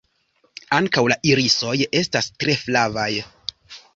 Ankaŭ la irisoj estas tre flavaj.